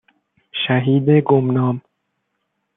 شهید گمنام